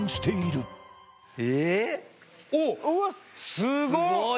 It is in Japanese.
すごい。